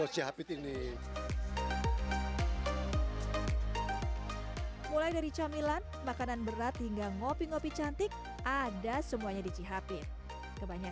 sampai jumpa di video selanjutnya